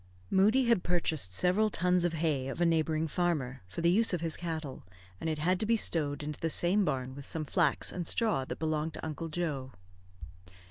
Moodie had purchased several tons of hay of a neighbouring farmer, for the use of his cattle, and it had to be stowed into the same barn with some flax and straw that belonged to Uncle Joe.